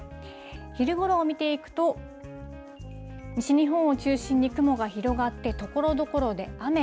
昼ごろを見ていくと西日本を中心に雲が広がってところどころで雨。